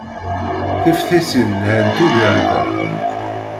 Tiftisin lhant ugar da.